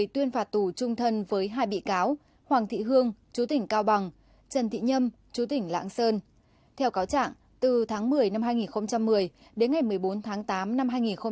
theo cáo trạng từ tháng một mươi năm hai nghìn một mươi đến ngày một mươi bốn tháng tám năm hai nghìn một mươi bảy